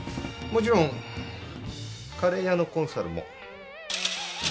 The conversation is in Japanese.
もちろんカレー屋のコンサルも。